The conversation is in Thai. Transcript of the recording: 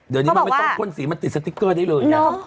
เดี๋ยวนี้มันไม่ต้องพ่นสีมันติดสติ๊กเกอร์ได้เลยนะ